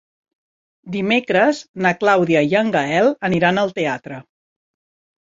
Dimecres na Clàudia i en Gaël aniran al teatre.